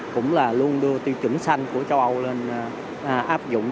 cũng là luôn đưa tiêu chuẩn xanh của châu âu lên áp dụng